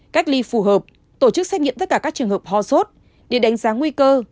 cách ly phù hợp tổ chức xét nghiệm tất cả các trường hợp ho sốt để đánh giá nguy cơ